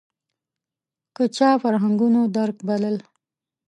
که چا فرهنګونو درک بلل